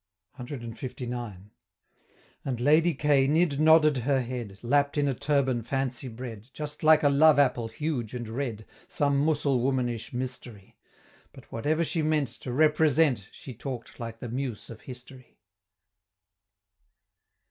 CLIX. And Lady K. nid nodded her head, Lapp'd in a turban fancy bred, Just like a love apple huge and red, Some Mussul womanish mystery; But whatever she meant To represent, She talked like the Muse of History.